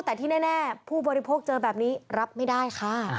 แต่ที่แน่ผู้บริโภคเจอแบบนี้รับไม่ได้ค่ะ